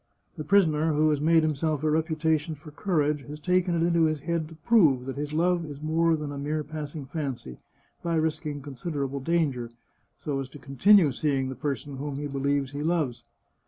The prisoner, who has made himself a reputation for courage, has taken it into his head to prove that his love is more than a mere passing fancy by risking considerable danger, so as to continue seeing the person whom he believes he loves.